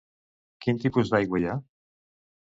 Quin tipus d'aigua hi ha?